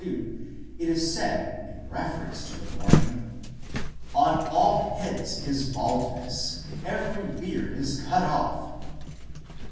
2 it is said in reference to mourn ing :"... on all heads is baldness, every beard is cut off."